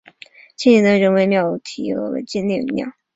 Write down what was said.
县里的人为庙题额为烈女庙。